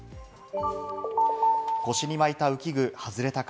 腰に巻いた浮き具、外れたか？